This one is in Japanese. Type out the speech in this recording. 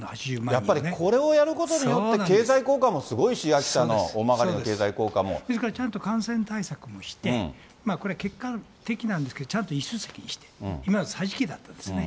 やっぱりこれをやることによって、経済効果もすごいし、秋田の大曲、ですからちゃんと感染対策もして、これ、結果的なんですけど、ちゃんといす席にして、今、桟敷席になってますよね。